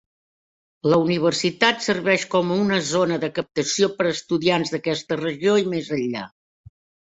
La universitat serveix com una zona de captació per a estudiants d'aquesta regió i més enllà.